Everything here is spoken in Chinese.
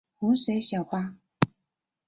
红色小巴